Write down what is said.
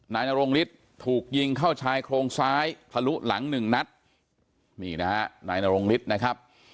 นายนรงฤทธิ์ถูกยิงเข้าชายโครงซ้ายทะลุหลังหนึ่งนัดนี่นะฮะนายนรงฤทธิ์นะครับ